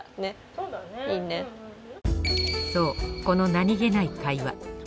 この何気ない会話。